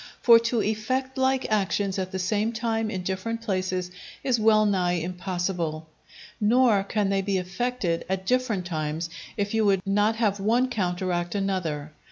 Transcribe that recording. For to effect like actions, at the same time, in different places, is well nigh impossible; nor can they be effected at different times, if you would not have one counteract another.